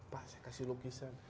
pak saya kasih lukisan